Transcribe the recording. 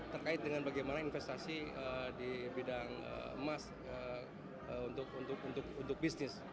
terkait dengan bagaimana investasi di bidang emas untuk bisnis